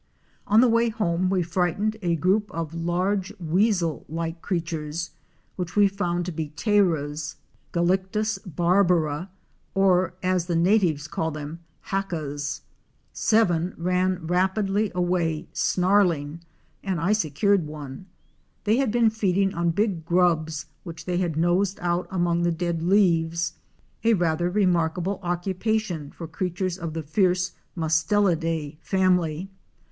On the way home we frightened a group of large weasel like creatures which we found to be Tayras (Galictis barbara) or, as the natives call them, Hackas. Seven ran rapidly away snarling and I secured one. They had been feeding on big grubs which they had nosed out among the dead leaves, a rather remarkable occupation for creatures of the fierce Mustelide family.